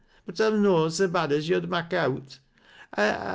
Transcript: But I'm noan so bad as yo'd mak' out.